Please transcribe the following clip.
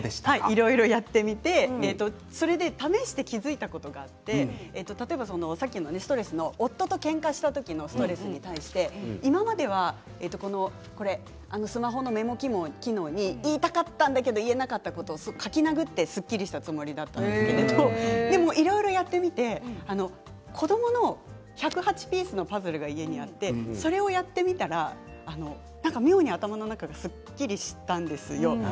いろいろやってみて試して気付いたことがあって例えば、ストレスの夫とけんかした時のストレスに対して、今まではスマホのメモ機能に言いたかったんだけど言えなかったことを書きなぐって、すっきりしたつもりだったんですけどいろいろやってみて子どもの１０８ピースのパズルが家にあって、それをやってみたら妙に頭の中がすっきりしたんです。